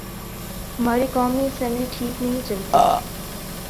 ہماری قومی اسمبلی ٹھیک نہیں چلتی۔